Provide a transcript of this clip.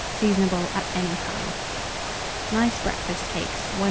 Seasonable at any time. NICE BREAKFAST CAKES. 1739.